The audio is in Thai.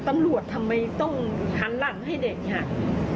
ตำรวจทำไมต้องหันหลังให้เด็กหัก